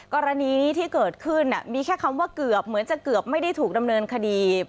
กรณีนี้ที่เกิดขึ้นมีแค่คำว่าเกือบเหมือนจะเกือบไม่ได้ถูกดำเนินคดี